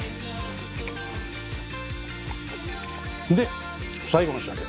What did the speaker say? で最後の仕上げ。